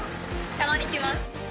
たまに来ます。